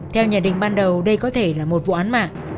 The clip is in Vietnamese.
theo nhận định ban đầu đây có thể là một vụ án mạng